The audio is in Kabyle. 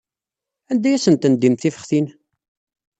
Anda ay asent-tendim tifextin?